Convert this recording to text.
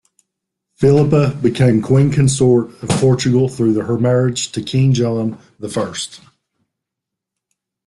Philippa became Queen consort of Portugal through her marriage to King John the First.